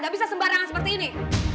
gak bisa sembarangan seperti ini